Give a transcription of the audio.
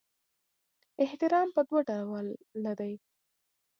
احترام په دوه ډوله دی.